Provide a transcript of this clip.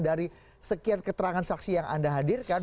dari sekian keterangan saksi yang anda hadirkan